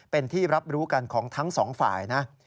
เป็นที่รับรู้กันของทั้งสองฝ่ายนะ